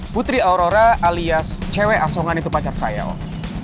putri aurora alias cewek asongan itu pacar saya om